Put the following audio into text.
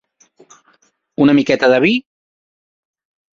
Una miqueta de vi?